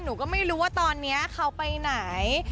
หนูก็ไม่รู้ว่าตอนนี้เขาไปไหน